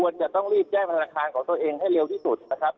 จะต้องรีบแจ้งธนาคารของตัวเองให้เร็วที่สุดนะครับ